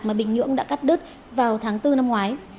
mà bình nhưỡng đã cắt đứt vào tháng bốn năm ngoái